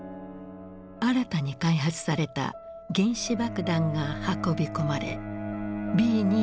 新たに開発された原子爆弾が運び込まれＢ２９に搭載された。